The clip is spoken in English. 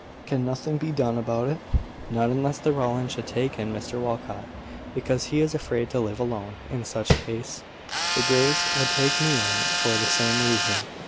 Can nothing be done about it?" "Not unless the Rowlands should take in Mr Walcot, because he is afraid to live alone: in such case, the Greys would take me in for the same reason.